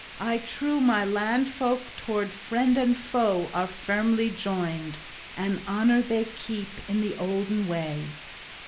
I trow my landfolk towards friend and foe are firmly joined, and honor they keep in the olden way."